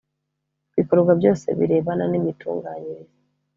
bikorwa byose birebana n imitunganyirize